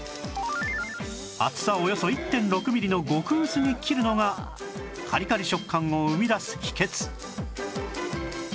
厚さおよそ １．６ ミリの極薄に切るのがカリカリ食感を生み出す秘訣